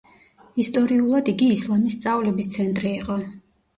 ისტორიულად იგი ისლამის სწავლების ცენტრი იყო.